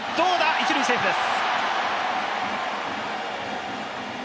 １塁セーフです。